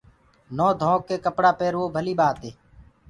نهونٚ ڌوڪي ڪپڙآ پيروو ڀلي ٻآت هي